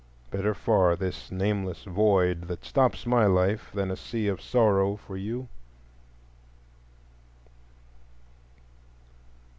Better far this nameless void that stops my life than a sea of sorrow for you.